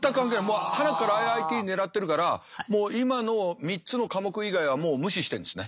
もうはなからＩＩＴ狙ってるからもう今の３つの科目以外はもう無視してるんですね。